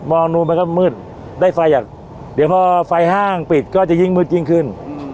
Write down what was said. นู้นมันก็มืดได้ไฟจากเดี๋ยวพอไฟห้างปิดก็จะยิ่งมืดยิ่งขึ้น